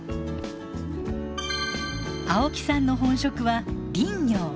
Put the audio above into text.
青木さんの本職は林業。